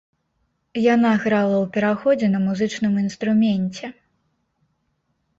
Яна грала ў пераходзе на музычным інструменце.